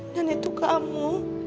dan itu kamu